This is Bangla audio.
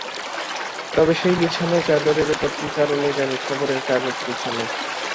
তবে সেই বিছানায় চাদরের ওপর কি কারণে জানি খবরের কাগজ বিছানো।